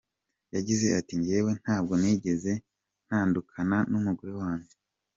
Yagize ati “Njyewe ntabwo nigeze ntandukana n’umugore wanjye.